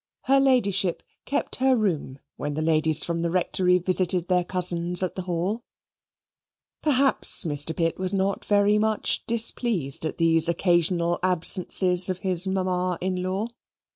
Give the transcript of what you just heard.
Her Ladyship kept her room when the ladies from the Rectory visited their cousins at the Hall. Perhaps Mr. Pitt was not very much displeased at these occasional absences of his mamma in law.